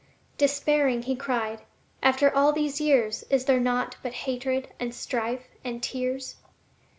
Despairing, he cried, "After all these years Is there naught but hatred and strife and tears?"